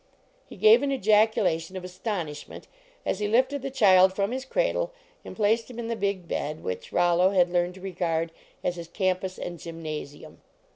He gave an ejaculation of astonish ment as he lifted the child from his cradle and placed him in the big bed which Rollo had learned to regard as his campus and gym nasium.